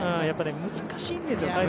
やっぱり難しいんですよ。